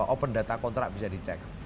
open data kontrak bisa dicek